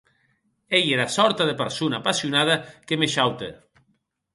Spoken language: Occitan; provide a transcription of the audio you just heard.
Ei era sòrta de persona apassionada que me shaute.